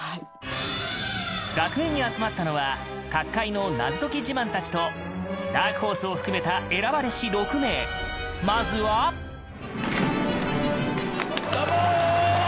学園に集まったのは各界の謎解き自慢たちとダークホースを含めた選ばれし６名、まずはどうも！